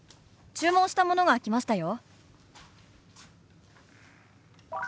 注文したものが来ましたよ」。